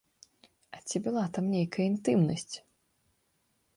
А ці была там нейкая інтымнасць?